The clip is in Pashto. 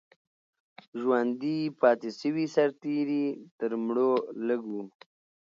ژوندي پاتې سوي سرتیري تر مړو لږ وو.